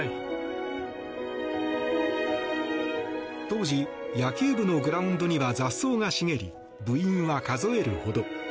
当時、野球部のグラウンドには雑草が茂り部員は数えるほど。